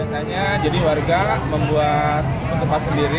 biasanya jadi warga membuat penutupan sendiri